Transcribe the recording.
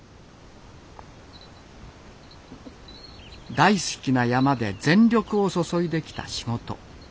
大好きな山で全力を注いできた仕事。